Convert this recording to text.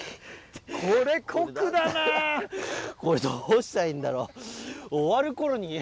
これどうしたらいいんだろう。